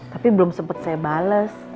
tapi belum sempat saya bales